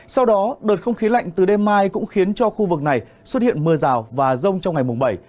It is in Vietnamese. sau đó đợt không khí lạnh từ đêm mai cũng khiến cho khu vực này xuất hiện mưa rào và rông trong ngày mùng bảy